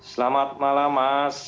selamat malam mas